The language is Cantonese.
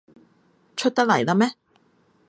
出得嚟喇咩？